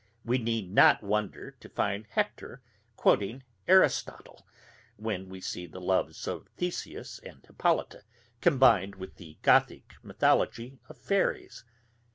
We need not wonder to find Hector quoting Aristotle, when we see the loves of Theseus and Hippolyta combined with the Gothick mythology of fairies.